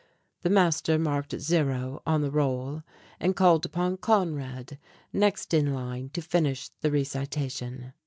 The master marked zero on the roll and called upon Conrad, next in line, to finish the recitation.